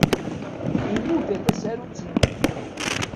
Inuda tasarut-nni.